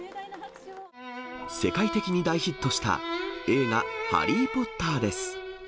世界的に大ヒットした映画、ハリー・ポッターです。